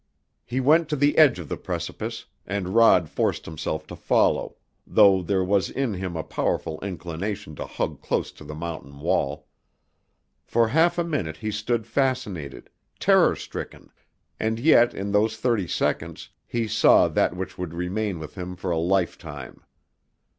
He went to the edge of the precipice, and Rod forced himself to follow, though there was in him a powerful inclination to hug close to the mountain wall. For half a minute he stood fascinated, terror stricken, and yet in those thirty seconds he saw that which would remain with him for a lifetime.